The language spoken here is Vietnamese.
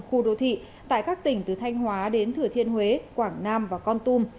khu đô thị tại các tỉnh từ thanh hóa đến thừa thiên huế quảng nam và con tum